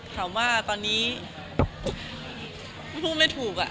ถามว่าตอนนี้พูดไม่ถูก